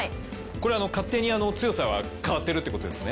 これ勝手に強さは変わってるってことですね？